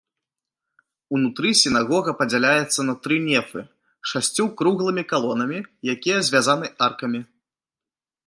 Унутры сінагога падзяляецца на тры нефы шасцю круглымі калонамі, якія звязаныя аркамі.